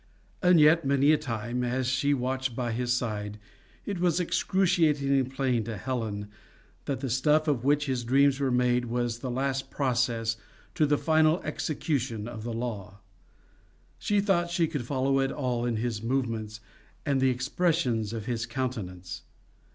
And yet, many a time, as she watched by his side, it was excruciatingly plain to Helen that the stuff of which his dreams were made was the last process to the final execution of the law. She thought she could follow it all in his movements and the expressions of his countenance.